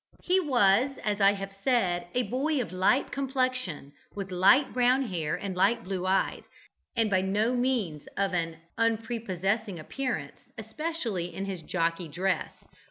He was, as I have said, a boy of light complexion, with light brown hair and light blue eyes, and by no means of an unprepossessing appearance, especially in his jockey dress.